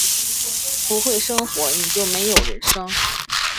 不会生活，你就没有人生